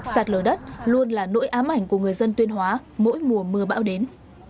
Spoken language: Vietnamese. sạt lở đất luôn là nỗi ám ảnh của người dân tuyên hóa mỗi mùa mưa bão đến